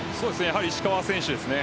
石川選手ですね。